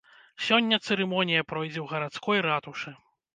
Сёння цырымонія пройдзе ў гарадской ратушы.